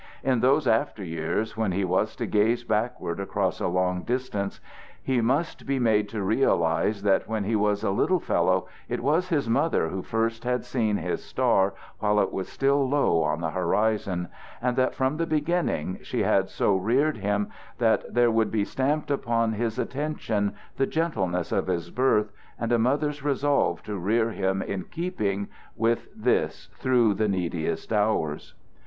In those after years when he was to gaze backward across a long distance, he must be made to realize that when he was a little fellow, it was his mother who first had seen his star while it was still low on the horizon; and that from the beginning she had so reared him that there would be stamped upon his attention the gentleness of his birth and a mother's resolve to rear him in keeping with this through the neediest hours.